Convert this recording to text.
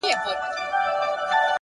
هر منزل نوی سفر پیلوي,